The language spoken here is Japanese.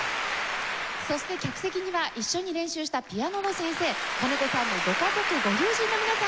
そして客席には一緒に練習したピアノの先生金子さんのご家族ご友人の皆さんが応援にいらしています。